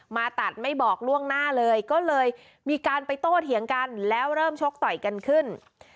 มาตัดไม่บอกล่วงหน้าเลยก็เลยมีการไปโต้เถียงกันแล้วเริ่มชกต่อยกันขึ้น